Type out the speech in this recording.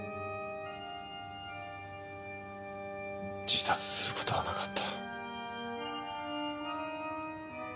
自殺する事はなかった。